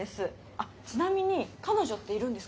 あっちなみに彼女っているんですか？